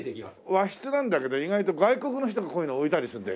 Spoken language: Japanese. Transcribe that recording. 和室なんだけど意外と外国の人がこういうの置いたりするんだよね。